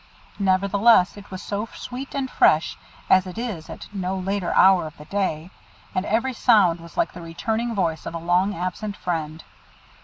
Nevertheless, it was so sweet and fresh as it is at no later hour of the day, and every sound was like the returning voice of a long absent friend.